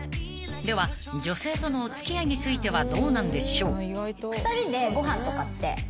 ［では女性とのお付き合いについてはどうなんでしょう？］